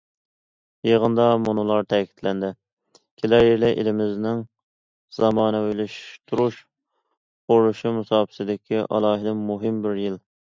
يىغىندا مۇنۇلار تەكىتلەندى: كېلەر يىلى ئېلىمىزنىڭ زامانىۋىلاشتۇرۇش قۇرۇلۇشى مۇساپىسىدىكى ئالاھىدە مۇھىم بىر يىل.